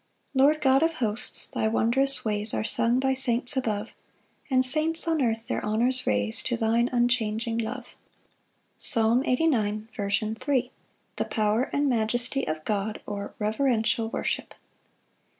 5 Lord God of hosts, thy wondrous ways Are sung by saints above; And saints on earth their honours raise To thine unchanging love. Psalm 89:3. 7 &c. Second Part. The power and majesty of God; or, Reverential worship.